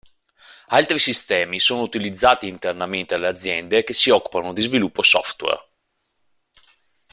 Altri sistemi sono utilizzati internamente alle aziende che si occupano di sviluppo software.